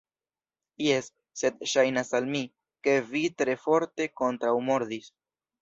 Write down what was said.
Jes, sed ŝajnas al mi, ke vi tre forte kontraŭmordis.